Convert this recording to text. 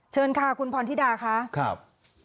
เชิญค่ะคุณพรธิดาค่ะครับ